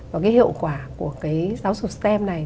và cái hiệu quả của cái giáo dục stem này